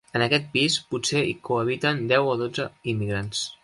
En aquest pis potser hi cohabiten deu o dotze immigrants.